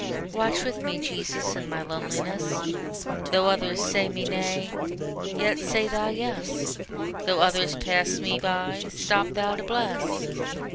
Watch with me, Jesus, in my loneliness: Though others say me nay, yet say Thou yes; Though others pass me by, stop Thou to bless.